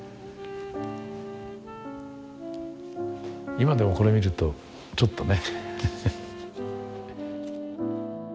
今でもこれ見るとちょっとね。